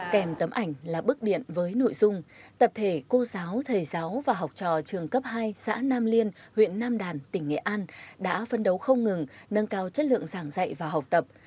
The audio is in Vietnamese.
kèm tấm ảnh là bức điện với nội dung tập thể cô giáo thầy giáo và học trò trường cấp hai xã nam liên huyện nam đàn tỉnh nghệ an đã phân đấu không ngừng nâng cao chất lượng giảng dạy và học tập